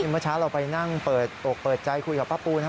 เมื่อเช้าเราไปนั่งเปิดอกเปิดใจคุยกับป้าปูนะครับ